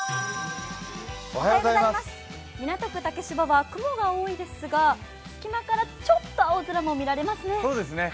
港区竹芝は雲が多いですが、隙間からちょっと青空も見られますね。